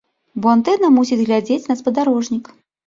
Бо антэна мусіць глядзець на спадарожнік.